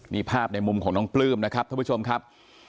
นี่ภาพในมุมของน้องปลื้มนะครับท่านผู้ชมครับ